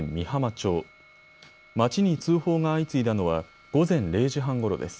町に通報が相次いだのは午前０時半ごろです。